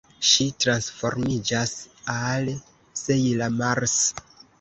Ŝi transformiĝas al Sejla Mars.